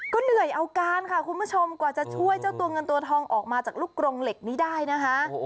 เหนื่อยเอาการค่ะคุณผู้ชมกว่าจะช่วยเจ้าตัวเงินตัวทองออกมาจากลูกกรงเหล็กนี้ได้นะคะ